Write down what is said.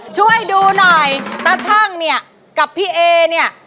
ช่วยดูหน่อยแต่ช่างนี่กับพี่เอ๊นี่